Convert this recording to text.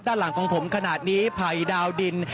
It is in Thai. ด้านหลังของผมขนาดนี้ภัยดาวดิน